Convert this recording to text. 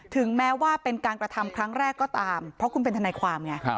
ถึงแม้ว่าเป็นการกระทำครั้งแรกก็ตามเพราะคุณเป็นทนายความไง